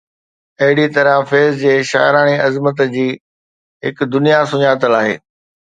اهڙيءَ طرح فيض جي شاعراڻي عظمت جي هڪ دنيا سڃاتل آهي.